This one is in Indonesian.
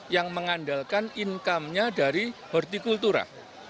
yang mengandalkan income nya dari hortikultura